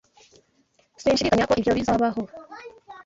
Sinshidikanya ko ibyo bizabaho.